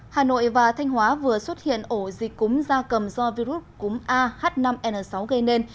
hà nội và thanh hóa vừa xuất hiện ổ dịch cúm da cầm do virus cúm ah năm n sáu gây nên